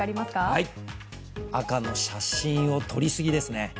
赤の写真を撮りすぎですね。